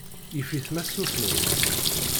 Yif-it ma tsusmemt.